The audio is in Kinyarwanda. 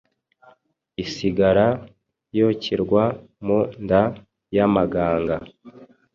isigara yokerwa mu nda yamaganga